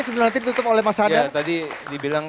ditutup oleh mas sadar ya tadi dibilang